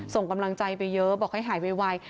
ส่งกำลังใจเป็นเยอะบอกให้หายเว็บไว